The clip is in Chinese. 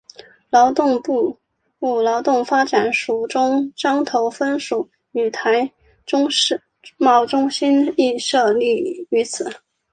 劳动部劳动力发展署中彰投分署与台中世贸中心亦设立于此。